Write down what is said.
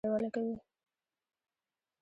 آزاد تجارت مهم دی ځکه چې پوهه نړیواله کوي.